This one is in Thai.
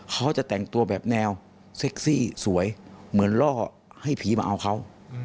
เขาจะแต่งตัวแบบแนวเซ็กซี่สวยเหมือนล่อให้ผีมาเอาเขา